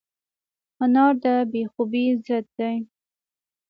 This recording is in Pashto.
انار د بې خوبۍ ضد دی.